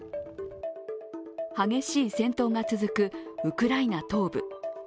激しい戦闘が続くウクライナ東部。